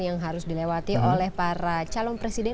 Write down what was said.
yang harus dilewati oleh para calon presiden